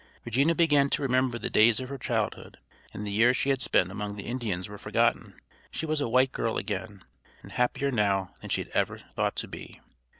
Regina began to remember the days of her childhood, and the years she had spent among the Indians were forgotten. She was a white girl again, and happier now than she had ever thought to be.